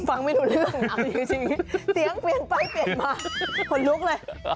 ฟังไม่รู้เรื่องอย่างนี้เสียงเปลี่ยนไปเปลี่ยนมาขนลุกเลย